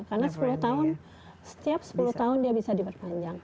karena setiap sepuluh tahun dia bisa diperpanjang